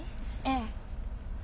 「ええ」